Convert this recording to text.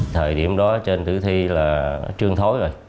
thời điểm đó trên tử thi là trương thối rồi